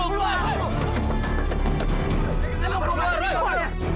gak dapat gak dapat jadi aku